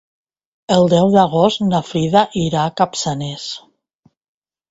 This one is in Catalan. El deu d'agost na Frida irà a Capçanes.